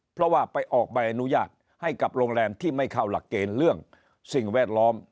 เพราะว่าไปออกใบอนุญาตให้กับโรงแรมที่ไม่เข้าหลักเกณฑ์เรื่องสิ่งแวดล้อม